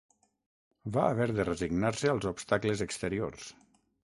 Va haver de resignar-se als obstacles exteriors